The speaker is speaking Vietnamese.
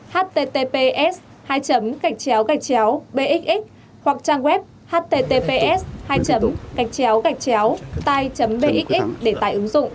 https bxx hoặc trang web https tai bxx